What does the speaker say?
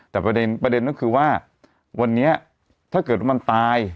แต่ประเด็นก็คือว่าวันนี้ถ้าเกิดว่ามันตาย